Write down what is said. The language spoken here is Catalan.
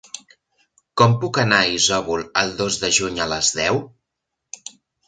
Com puc anar a Isòvol el dos de juny a les deu?